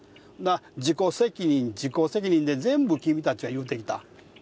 自己責任、自己責任と全部、君たちは言うてきた。